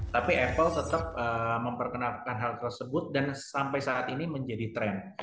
tapi apple tetap memperkenalkan hal tersebut dan sampai saat ini menjadi tren